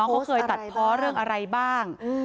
เขาโพสต์อะไรบ้าง